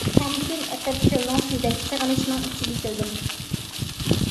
تەمكىن ئېقىپ كۆلنىڭ سۈيىدەك، سېغىنىشنىڭ ئىچىگە كىردىم.